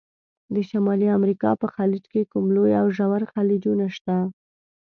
د شمالي امریکا په خلیج کې کوم لوی او ژور خلیجونه شته؟